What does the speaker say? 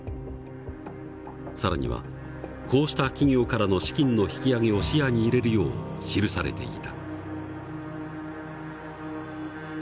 更にはこうした企業からの資金の引き揚げを視野に入れるよう記されていた。